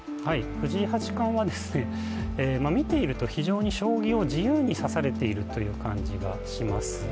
藤井八冠は、見ていると非常に将棋を自由に指さされているという感じがします。